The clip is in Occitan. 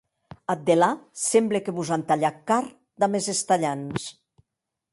Ath delà, semble que vos an talhat carn damb es estalhants.